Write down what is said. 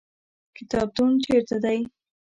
کتابتون چیرته دی؟